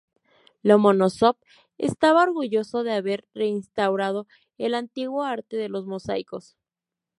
Lomonósov estaba orgulloso de haber reinstaurado el antiguo arte de los mosaicos.